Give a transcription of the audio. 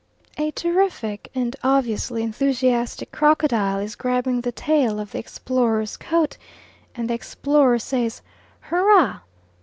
A terrific and obviously enthusiastic crocodile is grabbing the tail of the explorer's coat, and the explorer says "Hurrah!